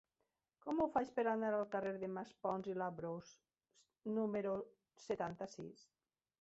Com ho faig per anar al carrer de Maspons i Labrós número setanta-sis?